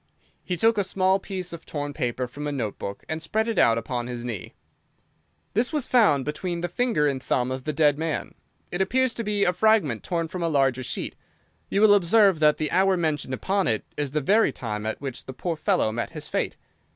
He took a small piece of torn paper from a note book and spread it out upon his knee. "This was found between the finger and thumb of the dead man. It appears to be a fragment torn from a larger sheet. You will observe that the hour mentioned upon it is the very time at which the poor fellow met his fate.